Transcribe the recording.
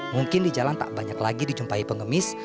mungkin di jalan tak banyak lagi dijumpai pengemis